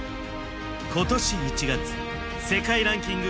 今年１月世界ランキング